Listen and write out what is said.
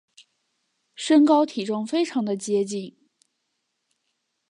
身高体重非常的接近